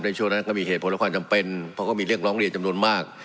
ช่วงนั้นก็มีเหตุผลและความจำเป็นเพราะก็มีเรื่องร้องเรียนจำนวนมาก